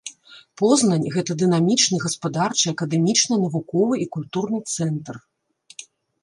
Познань гэта дынамічны гаспадарчы, акадэмічны, навуковы і культурны цэнтр.